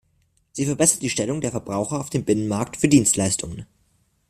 Sie verbessert die Stellung der Verbraucher auf dem Binnenmarkt für Dienstleistungen.